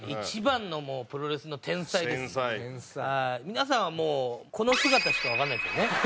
皆さんはもうこの姿しかわからないですよね。